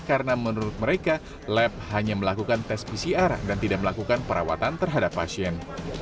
karena menurut mereka lab hanya melakukan tes pcr dan tidak melakukan perawatan terhadap pasien